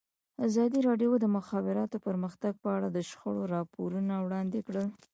ازادي راډیو د د مخابراتو پرمختګ په اړه د شخړو راپورونه وړاندې کړي.